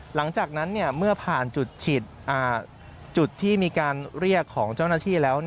หลังจากนั้นเมื่อผ่านจุดฉีดจุดที่มีการเรียกของเจ้าหน้าที่แล้ว